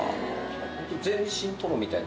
全身トロみたいな。